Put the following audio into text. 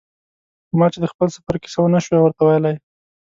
ما چې د خپل سفر کیسه و نه شو ورته ویلای.